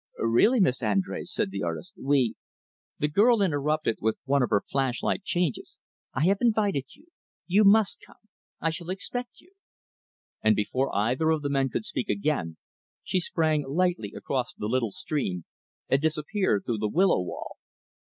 "Really, Miss Andrés," said the artist, "we " The girl interrupted with one of her flash like changes. "I have invited you. You must come. I shall expect you." And before either of the men could speak again, she sprang lightly across the little stream, and disappeared through the willow wall.